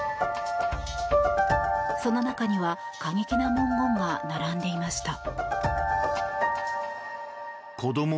その中には過激な文言が並んでいました。